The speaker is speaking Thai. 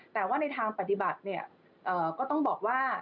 แต่ว่าในทางปฏิบัติเนี่ยก็ต้องบอกว่า